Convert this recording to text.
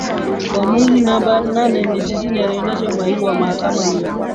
uamuzi namba nane na tisini ulionesha umahiri wa mahakama hiyo